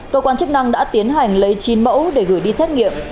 cơ quan chức năng đã tiến hành lấy chín mẫu để gửi đi xét nghiệm